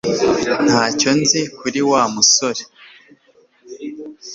Ntacyo nzi kuri Wa musore